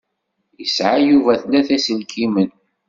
Yesεa Yuba tlata iselkimen.